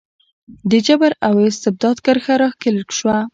د جبر او استبداد کرښه راښکل شوه.